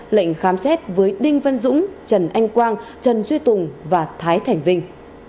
lệnh khám xét với đinh văn dũng trần anh quang trần duy tùng và thái thành vinh